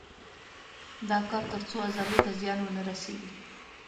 دا کار تر څو عضلو ته زیان ونه رسېږي.